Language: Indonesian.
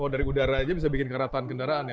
kalau dari udara aja bisa bikin kerataan kendaraan ya